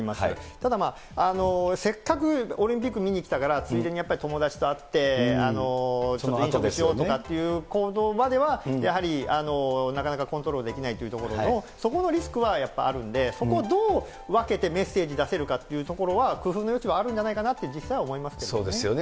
ただ、せっかくオリンピック見に来たから、ついでに友達と会って、飲食をというような行動なんかは、やはりなかなかコントロールできないというところの、そこのリスクはやっぱりあるんで、そこをどう分けてメッセージ出せるかというところは、工夫の余地はあるんじゃないかなって、実際は思いますけどね。